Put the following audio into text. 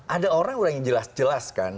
ada orang orang yang jelas jelas kan